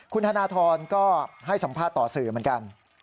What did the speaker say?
คุณธนทรก็ให้สัมภาษณ์ต่อสื่อเหมือนกัน